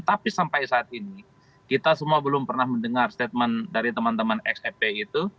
tapi sampai saat ini kita semua belum pernah mendengar statement dari teman teman xfp itu